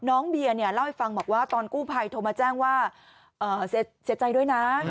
น้องเบียร์เนี่ยเล่าให้ฟังบอกว่าตอนกู้ภัยโทรมาแจ้งว่าเสียใจด้วยนะ